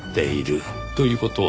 という事は。